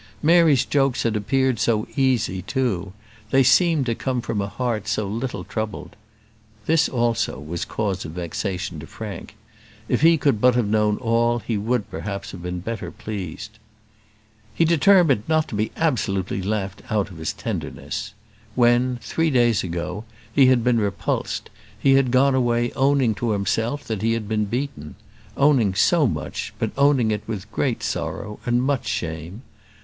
Mary's jokes had appeared so easy too; they seemed to come from a heart so little troubled. This, also, was cause of vexation to Frank. If he could but have known all, he would, perhaps, have been better pleased. He determined not to be absolutely laughed out of his tenderness. When, three days ago, he had been repulsed, he had gone away owning to himself that he had been beaten; owning so much, but owning it with great sorrow and much shame.